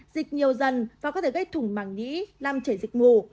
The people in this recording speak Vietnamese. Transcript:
dịch nhiều dần và có thể gây thủng màng nhĩ làm chảy dịch mù